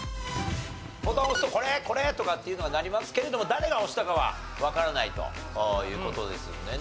ボタンを押すと「コレ！」「コレ！」とかっていうのが鳴りますけれども誰が押したかはわからないという事ですんでね。